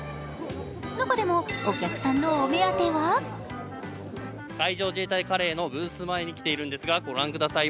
中でもお客さんのお目当ては海上自衛隊カレーのブース前に来ているんですが御覧ください